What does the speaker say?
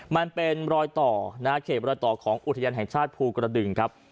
มันเป็นรอยต่อนะเขตรอยต่อของอุทยานแห่งชาติภูกระดึงครับ